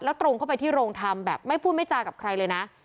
แล้วตรงเข้าไปที่โรงทำแบบไม่พูดไม่จากับใครเลยนะ